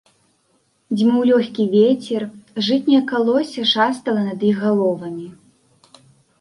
Дзьмуў лёгкі вецер, жытняе калоссе шастала над іх галовамі.